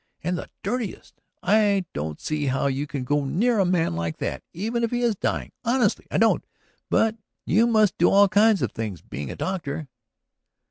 And the dirtiest? I don't see how you can go near a man like that, even if he is dying; honestly I don't. But you must do all kinds of things, being a doctor."